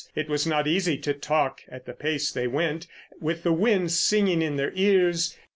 It was not easy to talk at the pace they went, with the wind singing in their ears.